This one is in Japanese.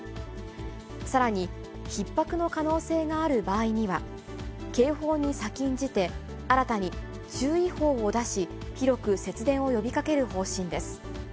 さらに、ひっ迫の可能性がある場合には、警報に先んじて、新たに注意報を出し、広く節電を呼びかける方針です。